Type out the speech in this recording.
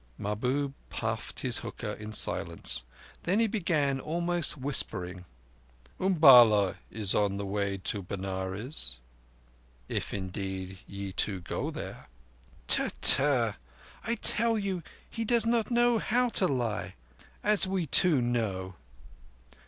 Mahbub puffed his hookah in silence. Then he began, almost whispering: "Umballa is on the road to Benares—if indeed ye two go there." "Tck! Tck! I tell thee he does not know how to lie—as we two know."